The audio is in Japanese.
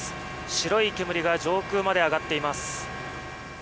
白い煙が上空まで上がっています。